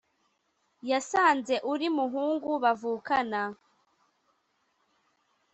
yasanze uri muhungu bavukana